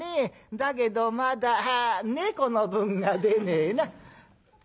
だけどまだ猫の分が出ねえな」。